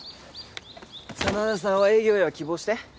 真田さんは営業へは希望して？